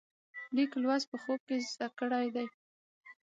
لیک لوست په خوب کې زده کړی دی.